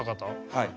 はい。